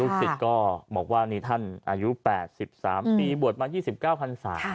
สิทธิ์ก็บอกว่านี่ท่านอายุ๘๓ปีบวชมา๒๙พันศา